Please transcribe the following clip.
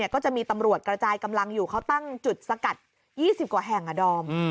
ก็จะมีตำรวจกระจายกำลังอยู่เขาตั้งจุดสกัด๒๐กว่าแห่งอะดอม